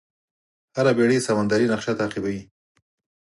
هره بېړۍ سمندري نقشه تعقیبوي.